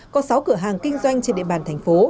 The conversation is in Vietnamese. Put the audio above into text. có sáu cửa hàng kinh doanh trên địa bàn thành phố